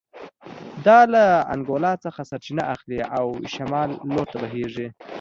دا له انګولا څخه سرچینه اخلي او شمال لور ته بهېږي